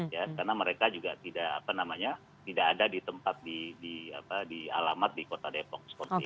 ya karena mereka juga tidak ada di tempat di alamat di kota depok